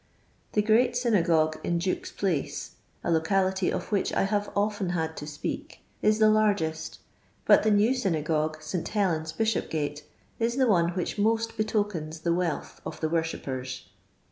The great synagogue in Duke's place (a locality of which I have often had to speak) is the Urgest, but the new synagogue, St Helen's, Bishopgate, is the one which most betokens the wealth of the worshippers.